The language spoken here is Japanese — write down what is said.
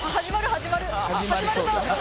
始まるぞ！